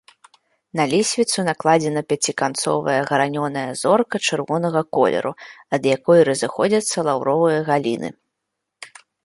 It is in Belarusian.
На лесвіцу накладзена пяціканцовая гранёная зорка чырвонага колеру, ад якой разыходзяцца лаўровыя галіны.